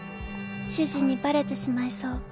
主人にバレてしまいそう」